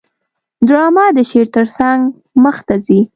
ډرامه د شعر ترڅنګ مخته ځي